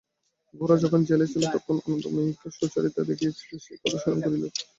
গোরা যখন জেলে ছিল তখন আনন্দময়ীকে সুচরিতা দেখিয়াছিল সেই কথা স্মরণ করিল।